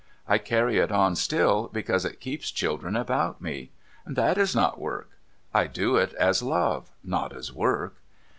I carry it on still, because it keeps children about me. T/iaf is not work. I do it as love, not as work.